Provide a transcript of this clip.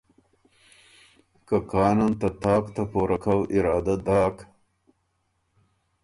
که کانن ته تاک ته پوره کؤ اراده داک،